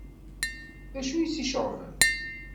D acu i tt-iceɣben?